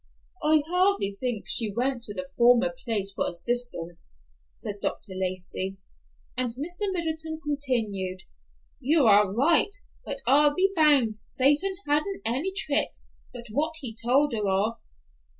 "I hardly think she went to the former place for assistance," said Dr. Lacey; and Mr. Middleton continued, "You are right, but I'll be bound Satan hadn't any tricks but what he told her of.